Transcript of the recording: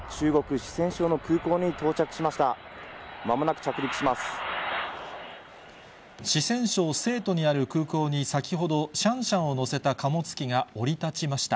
四川省成都にある空港に先ほどシャンシャンを乗せた貨物機が降り立ちました。